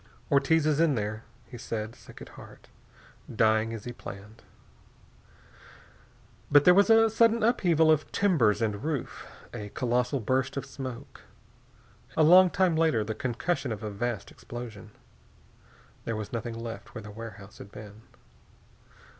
"Ortiz's in there," he said, sick at heart. "Dying as he planned." But there was a sudden upheaval of timbers and roof. A colossal burst of smoke. A long time later the concussion of a vast explosion. There was nothing left where the warehouse had been.